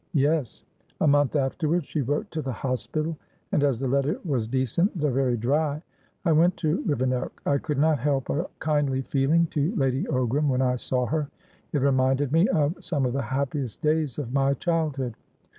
"Yes. A month afterwards, she wrote to the hospital, and, as the letter was decent, though very dry, I went to Rivenoak. I could not help a kindly feeling to Lady Ogram, when I saw her; it reminded me of some of the happiest days of my childhood.